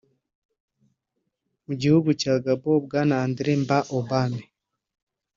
Mu gihugu cya Gabon Bwana André Mba Obame